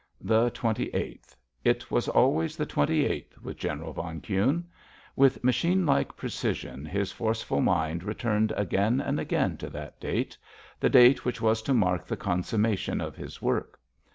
The twenty eighth—it was always the twenty eighth with General von Kuhne. With machine like precision his forceful mind returned again and again to that date—the date which was to mark the consummation of his work.